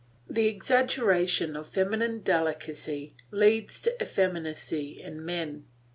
The exaggeration of feminine delicacy leads to effeminacy in men.